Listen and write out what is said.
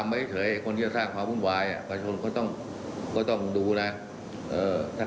ไม่งั้นมก็ผิดบท